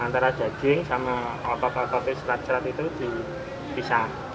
antara daging sama otot otot serat serat itu dipisah